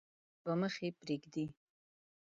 دوه مخي پريږدي.